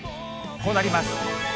こうなります。